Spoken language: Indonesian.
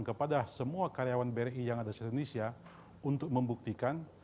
kepada semua karyawan bri yang ada di indonesia untuk membuktikan